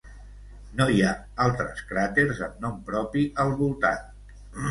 No hi ha altres cràters amb nom propi al voltant.